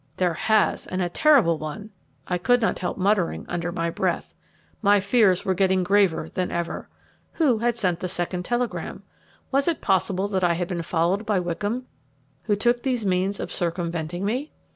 "There has, and a terrible one," I could not help muttering under my breath. My fears were getting graver than ever. Who had sent the second telegram? Was it possible that I had been followed by Wickham, who took these means of circumventing me?